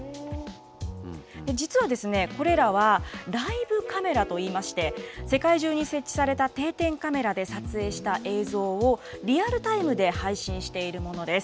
実は、これらはライブカメラといいまして、世界中に設置された定点カメラで撮影した映像を、リアルタイムで配信しているものです。